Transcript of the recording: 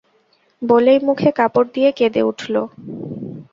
বলেই মুখে কাপড় দিয়ে কেঁদে উঠল।